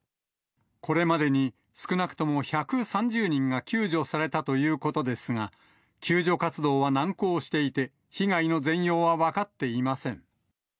これまでに少なくとも１３０人が救助されたということですが、救助活動は難航していて、被害の全容は分かっていません。